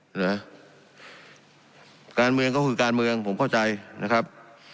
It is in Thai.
เห็นไหมครับการเมืองก็คือการเมืองผมเข้าใจนะครับ